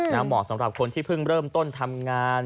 เหมาะสำหรับคนที่เพิ่งเริ่มต้นทำงาน